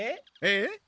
えっ？